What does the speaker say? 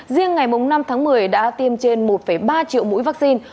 riêng ngày năm tháng một mươi đã tiêm trên một ba triệu mũi vaccine